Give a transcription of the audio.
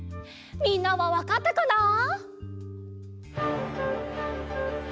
みんなはわかったかな？